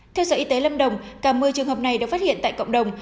theo sở y tế lâm đồng cả một mươi trường hợp này được phát hiện tại cộng đồng